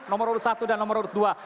nomor urut satu dan nomor urut dua